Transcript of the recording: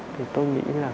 thì tôi nghĩ là